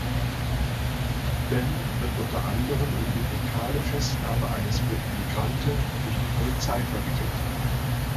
Ben wird unter anderem in die brutale Festnahme eines Migranten durch die Polizei verwickelt.